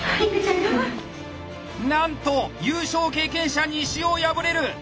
なんと優勝経験者西尾敗れる！